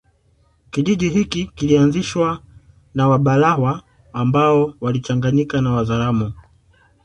Kijiji hiki kilianzishwa na Wabalawa ambao walichanganyika na Wazaramo